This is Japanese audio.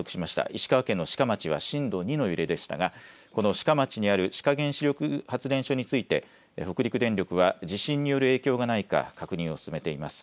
石川県の志賀町は震度２の揺れでしたが、この志賀町にある志賀原子力発電所について北陸電力は地震による影響がないか確認を進めています。